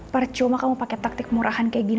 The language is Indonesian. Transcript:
percuma kamu pakai taktik murahan kayak gini